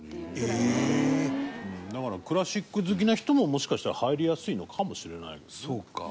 だからクラシック好きな人ももしかしたら入りやすいのかもしれないですね。